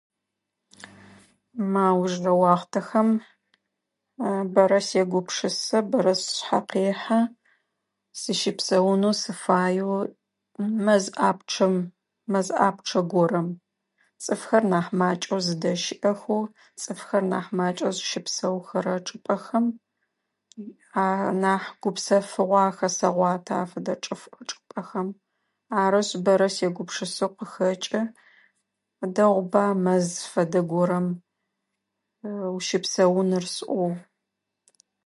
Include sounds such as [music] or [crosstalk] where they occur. Мы аужрэ уахътэхэм [hesitation] бэрэ сегупшысэ, бэрэ сшъхьэ къехьэ сыщыпсэунэу сыфаеу мэз ӏапчъэм, мэз ӏапчъэ горэм. Цӏыфхэр нахь макӏэу зыдэщыӏэхэу, цӏыфхэр нахь макӏэу зыщэпсэухэрэ чӏыпӏэхэм. А нахь гупсэфыгъахо ахэсэгъуатэ ащ фэдэ чӏы чӏыпӏэхэм. Арышъ, бэрэ сегупшысэу къыхэкӏы. Дэгъуба мэз фэдэ горэм [hesitation] ущыпсэуныр сӏоу.